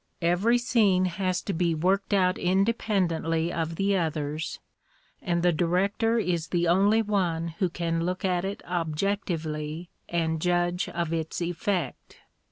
Every scene has to be worked out independ ently of the others, and the director is the only one who can look at it objectively and judge of its ef fect.